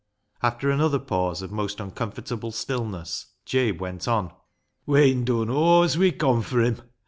After another pause of most uncomfortable stillness, Jabe went on —" We'en done aw as we con fur him.